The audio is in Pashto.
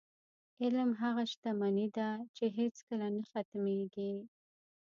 علم هغه شتمني ده، چې هېڅکله نه ختمېږي.